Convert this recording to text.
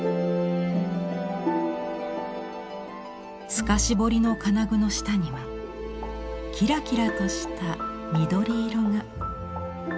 透かし彫りの金具の下にはキラキラとした緑色が。